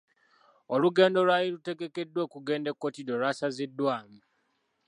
Olugendo olwali lutegekeddwa okugenda e Kotido lwasaziddwamu.